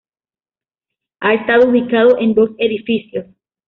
Ha estado ubicado en dos edificios.